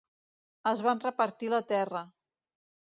Es van repartir la terra.